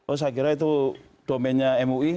oh saya kira itu domennya mui